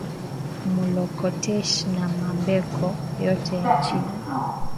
Mu lokoteshe na ma mbeko yote ya chini